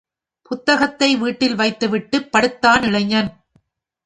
புத்தகத்தை வீட்டில் வைத்துவிட்டுப் படுத்தான் இளைஞன்.